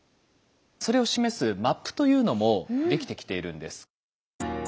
それを示すマップというのも出来てきているんです。